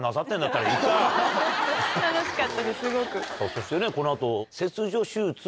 そしてねこの後。